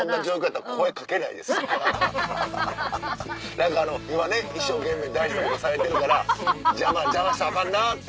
何か今ね一生懸命大事なことされてるから邪魔したらアカンなって。